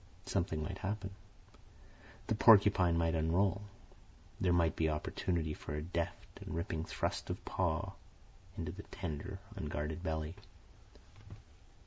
Something might happen. The porcupine might unroll. There might be opportunity for a deft and ripping thrust of paw into the tender, unguarded belly.